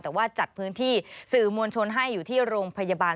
แต่ว่าจัดพื้นที่สื่อมวลชนให้อยู่ที่โรงพยาบาล